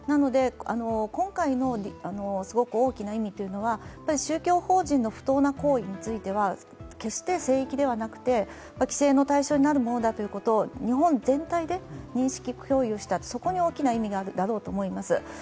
今回の、すごく大きな意味というのは、宗教法人の不等な行為については決して聖域ではなくて規制の対象になるということを日本全体で認識共有した、そこに大きな意味があるだろうと思います。